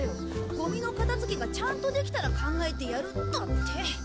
ゴミの片付けがちゃんとできたら考えてやるだって。